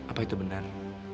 apa itu benar